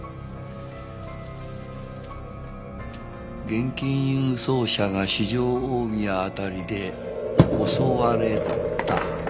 現金輸送車が四条大宮辺りで襲われたか。